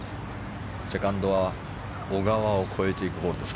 セカンドは小川を越えていくホールです。